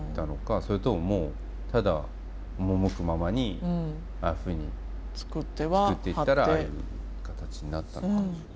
それとももうただ赴くままにああいうふうに作っていったらああいう形になったのか。